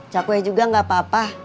cakwe juga gak apa apa